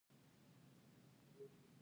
یوازې لږ غوندې فکر، یوازې د هغې په خاطر.